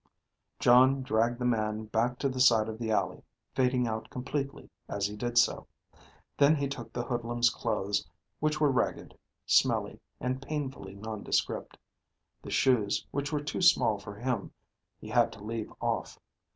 Jon dragged the man back to the side of the alley, fading out completely as he did so. Then he took the hoodlum's clothes, which were ragged, smelly, and painfully nondescript. The shoes, which were too small for him, he had to leave off.